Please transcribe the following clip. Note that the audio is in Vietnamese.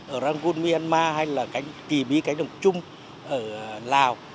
ở rangun myanmar hay là kỳ bí cánh đồng trung ở lào